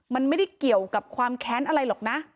มันไม่ได้เกี่ยวกับความแค้นอะไรหรอกนะ